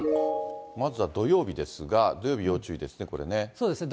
まずは土曜日ですが、土曜日要注そうですね。